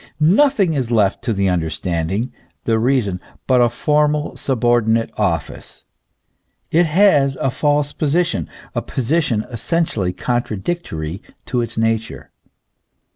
Nothing is left to the understanding, the reason, but a formal, subordinate office ; it has a false position, a position essentially contradictory to its nature.